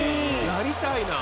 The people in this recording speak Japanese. やりたいな。